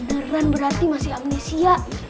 beneran berarti masih amnesia